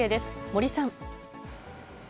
森さん。